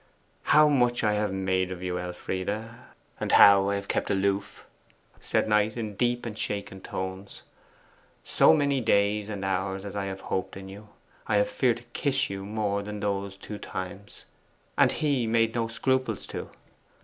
'How much I have made of you, Elfride, and how I have kept aloof!' said Knight in deep and shaken tones. 'So many days and hours as I have hoped in you I have feared to kiss you more than those two times. And he made no scruples to...